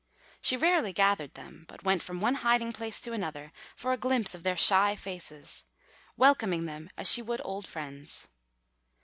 She rarely gathered them, but went from one hiding place to another for a glimpse of their shy faces, welcoming them as she would old friends.